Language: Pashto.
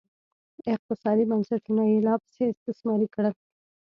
اقتصادي بنسټونه یې لاپسې استثماري کړل